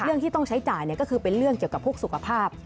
เรื่องที่ต้องใช้จ่ายก็คือเป็นเรื่องเกี่ยวกับพวกสุขภาพ